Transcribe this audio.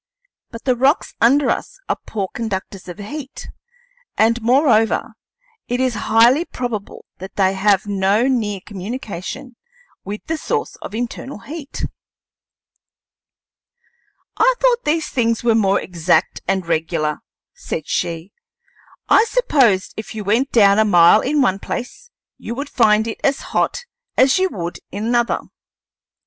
But the rocks under us are poor conductors of heat; and, moreover, it is highly probable that they have no near communication with the source of internal heat." "I thought these things were more exact and regular," said she; "I supposed if you went down a mile in one place, you would find it as hot as you would in another."